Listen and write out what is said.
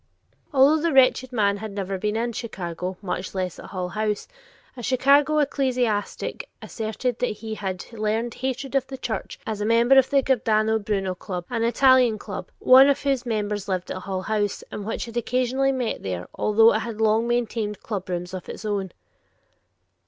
Although the wretched man had never been in Chicago, much less at Hull House, a Chicago ecclesiastic asserted that he had learned hatred of the Church as a member of the Giordano Bruno Club, an Italian Club, one of whose members lived at Hull House, and which had occasionally met there, although it had long maintained clubrooms of its own.